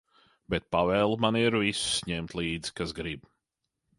Bet pavēle man ir visus ņemt līdzi, kas grib.